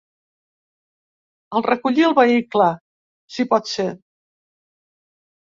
Al recollir el vehicle, si pot ser.